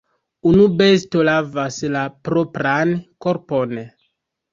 Unu besto lavas la propran korpon.